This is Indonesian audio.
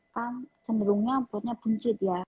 kan cenderungnya perutnya buncit ya